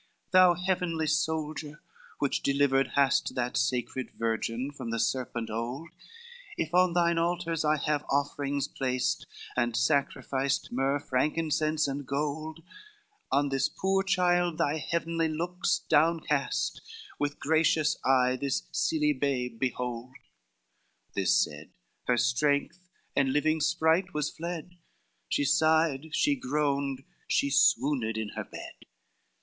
XXVIII "'Thou heavenly soldier which delivered hast That sacred virgin from the serpent old, If on thine altars I have offerings placed, And sacrificed myrrh, frankincense and gold, On this poor child thy heavenly looks down cast, With gracious eye this silly babe behold;' This said, her strength and living sprite was fled, She sighed, she groaned, she swooned in her bed.